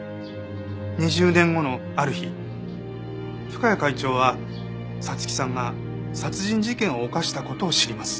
２０年後のある日深谷会長は彩月さんが殺人事件を犯した事を知ります。